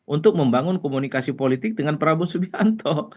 untuk membangun komunikasi politik dengan prabowo subianto